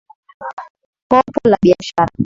Kopo la biashara.